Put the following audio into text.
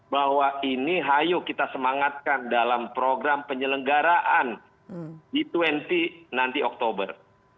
bahwa ini ayo kita semangatkan dalam program penyelenggaraan g dua puluh nanti oktober